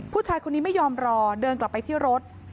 ผู้ชายคนนี้ไม่ยอมรอเดินกลับไปที่รถ